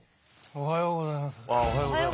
おはようございます。